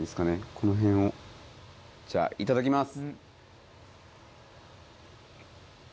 この辺をじゃあいただきます！